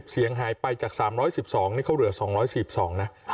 เสียงหายไปจาก๓๑๒นี่เขาเหลือ๒๔๒นะ